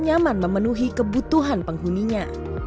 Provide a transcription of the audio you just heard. nyaman memenuhi kebutuhan penghuninya